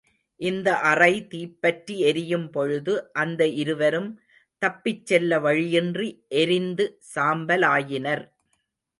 இந்த அறை தீப்பற்றி எரியும் பொழுது அந்த இருவரும் தப்பிச்செல்ல வழியின்றி எரிந்து சாம்பலாயினர்.